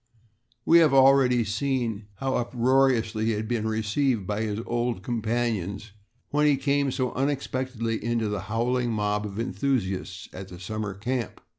We have already seen how uproariously he had been received by his old companions when he came so unexpectedly into the howling mob of enthusiasts at the summer camp.